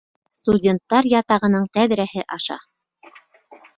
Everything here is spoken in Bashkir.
Студенттар ятағының тәҙрәһе аша!